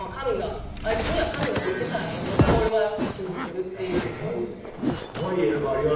アイツには神がおりてたんやと思うから俺は信じてるっていう。